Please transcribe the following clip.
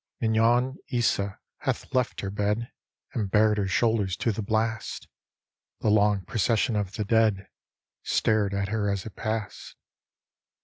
Mignon Isa hath left her bed And bared her shoulders to the blast; The long procession of the dead Stared at her as it passed.